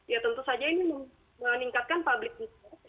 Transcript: ya tentu saja ini meningkatkan public transport